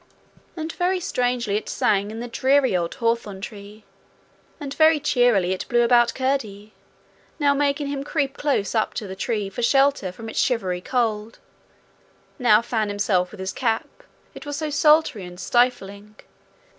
And very strangely it sang in the dreary old hawthorn tree, and very cheerily it blew about Curdie, now making him creep close up to the tree for shelter from its shivery cold, now fan himself with his cap, it was so sultry and stifling.